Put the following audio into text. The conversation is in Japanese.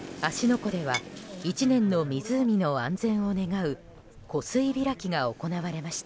湖では１年の湖の安全を願う湖水開きが行われました。